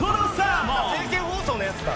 政見放送のやつか！